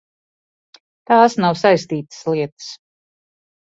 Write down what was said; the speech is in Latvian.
Tās nav saistītas lietas.